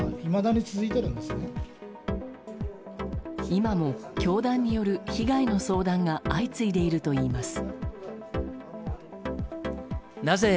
今も、教団による被害の相談が相次いでいるといいます。